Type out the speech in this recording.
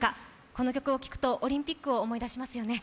この曲を聴くとオリンピックを思い出しますよね。